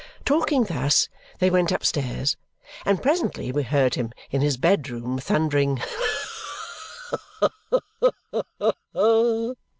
Talking thus, they went upstairs, and presently we heard him in his bedroom thundering "Ha, ha, ha!"